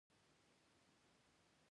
د ګټې ترلاسه کولو په هڅه کې به درسره مل شي.